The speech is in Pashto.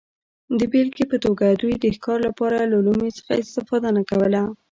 د بېلګې په توګه دوی د ښکار لپاره له لومې څخه استفاده نه کوله